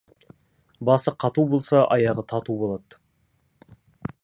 Басы қату болса, аяғы тату болады.